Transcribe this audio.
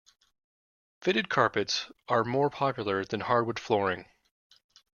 Fitted carpets are more popular than hardwood flooring